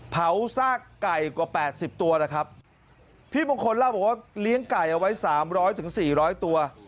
เผาซากไก่กว่า๘๐ตัวนะครับพี่มงคลเล่าบอกว่าเลี้ยงไก่เอาไว้๓๐๐๔๐๐ตัว